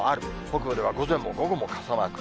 北部では午前も午後も傘マーク。